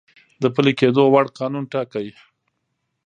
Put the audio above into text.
د پلی کیدو وړ قانون ټاکی ،